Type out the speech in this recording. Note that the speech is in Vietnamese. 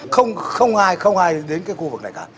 không ai không ai đến cái khu vực này cả